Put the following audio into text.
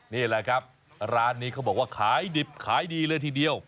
นี่แหละครับร้านนี้เขาบอกว่าขายดิบขายดีเลยทีเดียว